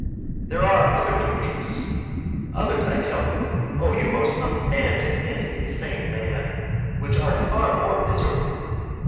There are other tortures, others, I tell you, O you most abandoned and insane man, which are far more miserable.